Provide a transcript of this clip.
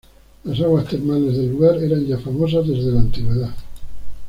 Las aguas termales del lugar eran ya famosas desde la Antigüedad.